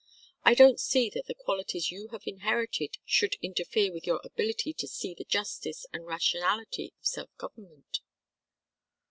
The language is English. I don't see that the qualities you have inherited should interfere with your ability to see the justice and rationality of self government."